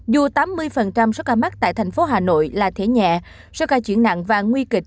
dù tám mươi sơ ca mắc tại thành phố hà nội là thể nhẹ sơ ca chuyển nặng và nguy kịch